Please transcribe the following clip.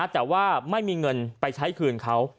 แต่ว่าไม่มีเงินไปใช้คืนเขา